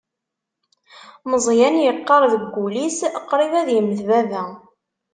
Meẓyan yeqqar deg wul-is: Qrib ad immet baba.